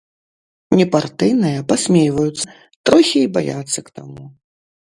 Непартыйныя пасмейваюцца, трохі й баяцца к таму.